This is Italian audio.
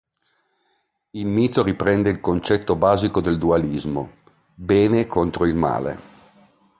Il mito riprende il concetto basico del dualismo: Bene contro il male.